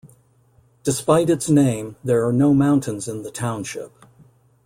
Despite its name, there are no mountains in the township.